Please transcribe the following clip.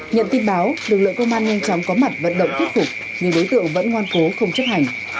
nhận tin báo lực lượng công an nhanh chóng có mặt vận động thuyết phục nhưng đối tượng vẫn ngoan cố không chấp hành